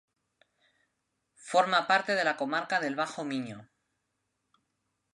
Forma parte de la comarca del Bajo Miño.